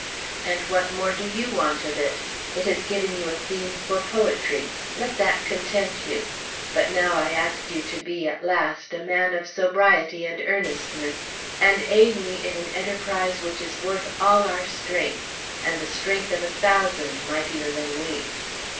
And what more do you want of it? It has given you a theme for poetry. Let that content you. But now I ask you to be, at last, a man of sobriety and earnestness, and aid me in an enterprise which is worth all our strength, and the strength of a thousand mightier than we."